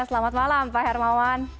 selamat malam pak hermawan